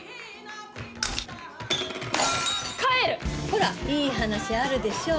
ほらいい話あるでしょ